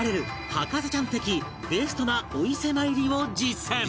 博士ちゃん的ベストなお伊勢参りを実践